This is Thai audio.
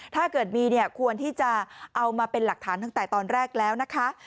ถ้าเกิดมีเนี่ยควรที่จะเอามาเป็นหลักฐานตั้งแต่ตอนแรกแล้วนะคะ